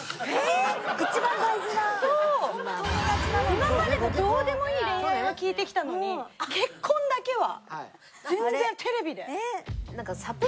今までのどうでもいい恋愛は聞いてきたのに結婚だけは全然テレビで。